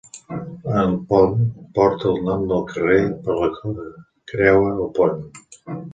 El pont porta el nom del carrer per la que creua el pont.